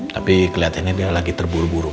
tapi kelihatannya dia lagi terburu buru